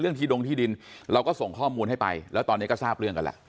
ที่ดงที่ดินเราก็ส่งข้อมูลให้ไปแล้วตอนนี้ก็ทราบเรื่องกันแหละ